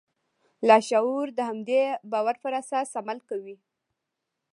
لاشعور د همدې باور پر اساس عمل کوي